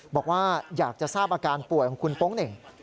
บอกว่าอยากจะทราบอาการป่วยของคุณโป๊งเหน่ง